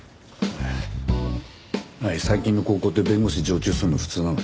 最近の高校って弁護士常駐するの普通なの？